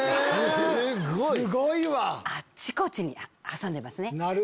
あっちこちに挟んでますね。